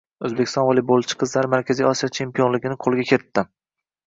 O‘zbekiston voleybolchi qizlari Markaziy Osiyo chempionligini qo‘lga kiritding